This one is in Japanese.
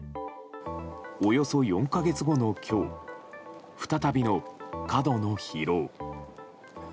およそ４か月後の今日再びの過度の疲労。